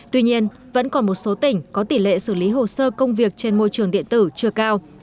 tuy nhiên vẫn còn một số tỉnh có tỷ lệ xử lý hồ sơ công việc trên môi trường điện tử chưa cao